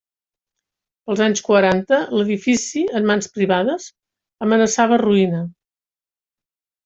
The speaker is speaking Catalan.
Pels anys quaranta l'edifici -en mans privades- amenaçava ruïna.